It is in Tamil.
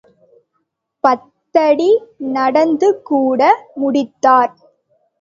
பத்தடி நடந்துகூட முடித்தார்.